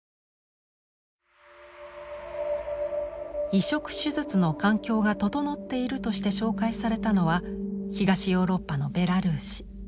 移植手術の環境が整っているとして紹介されたのは東ヨーロッパのベラルーシ。